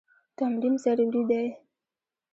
تمرین ضروري دی.